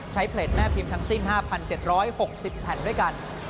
เพลตแม่พิมพ์ทั้งสิ้น๕๗๖๐แผ่นด้วยกัน